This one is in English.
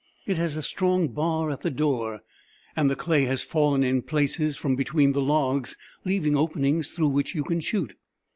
"It has a strong bar at the door, and the clay has fallen in places from between the logs leaving openings through which you can shoot!"